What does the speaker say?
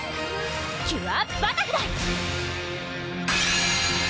キュアバタフライ！